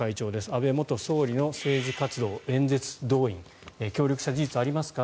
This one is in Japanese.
安倍元総理の政治活動、演説動員協力した事実はありますか？